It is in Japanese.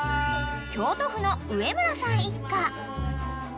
［京都府の植村さん一家］